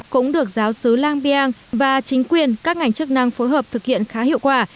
cũng được giáo sứ lang biang và chính quyền các ngành chức năng phối hợp thực hiện khá hiệu quả